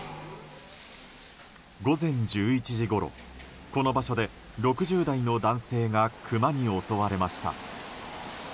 午前１１時ごろこの場所で６０代の男性がクマに襲われました。